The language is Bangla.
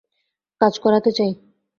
কাজ করাতে চাই।